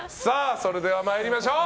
それでは参りましょう。